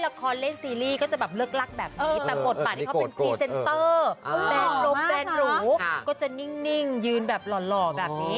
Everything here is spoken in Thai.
มันคิดว่าบทไปแบบนี้เขาเป็นพรีเซนเตอร์แดนโล่มแดนหรูก็จะนิ่งยืนแบบหล่อแบบนี้